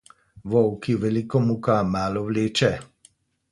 Vol, ki veliko muka, malo vleče.